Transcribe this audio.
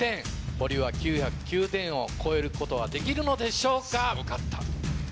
ホリは９０９点を超えることはできるのでしょうか。